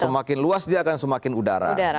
semakin luas dia akan semakin udara